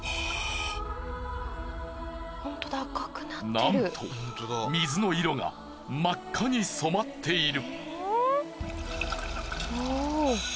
なんと水の色が真っ赤に染まっている。